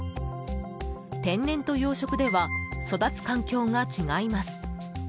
天然と養殖では育つ環境が違います。